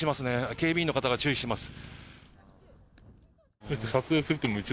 警備員の方が注意しています。